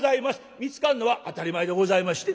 見つかるのは当たり前でございまして。